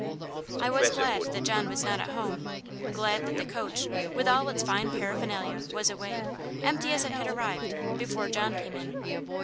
I was glad that John was not at home; glad that the coach, with all its fine paraphernalia, was away, empty as it had arrived, before John came in.